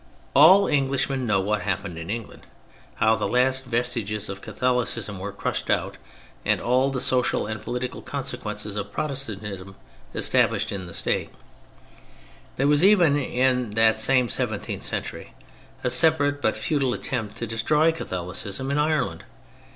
All Englishmen know what happened in England; how the last vestiges of Catholicism were crushed out and all the social and political consequences of Protestantism established in the State, There was, even in that same seventeenth century, a separate, but futile, attempt to destroy Catholicism in Ireland.